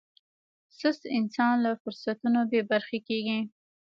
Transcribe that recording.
سست انسان له فرصتونو بې برخې کېږي.